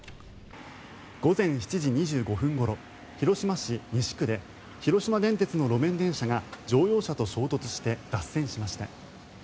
午前７時２５分ごろ広島市西区で広島電鉄の路面電車が乗用車と衝突して脱線しました。